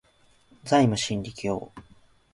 ザイム真理教